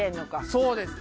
そうです。